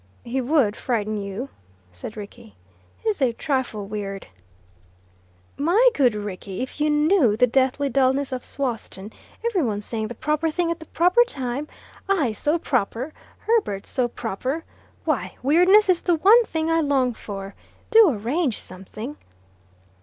"He would frighten you," said Rickie. "He's a trifle weird." "My good Rickie, if you knew the deathly dullness of Sawston every one saying the proper thing at the proper time, I so proper, Herbert so proper! Why, weirdness is the one thing I long for! Do arrange something."